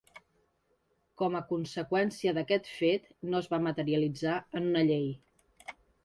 Com a conseqüència d'aquest fet, no es va materialitzar en una llei.